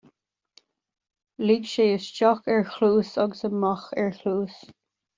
Lig sé isteach ar chluas agus amach ar chluas